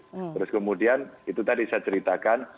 terus kemudian itu tadi saya ceritakan